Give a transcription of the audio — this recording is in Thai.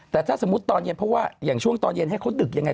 แต่ถ้าสมมุติตอนเย็นเพราะว่าอย่างช่วงตอนเย็นให้เขาดึกยังไง